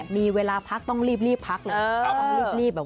มีเวลาพักต้องรีบพักเลย